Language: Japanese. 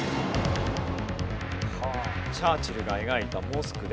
チャーチルが描いたモスクです。